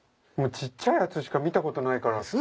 小っちゃいやつしか見たことないから。